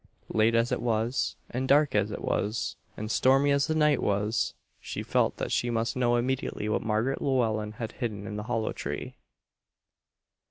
Late as it was, and dark as it was, and stormy as the night was, she felt that she must know immediately what Margaret Llewellen had hidden in the hollow tree.